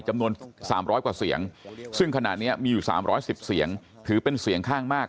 จำนวน๓๐๐กว่าเสียงซึ่งขณะนี้มีอยู่๓๑๐เสียงถือเป็นเสียงข้างมาก